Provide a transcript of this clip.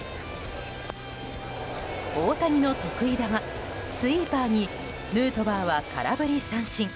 大谷の得意球スイーパーにヌートバーは空振り三振。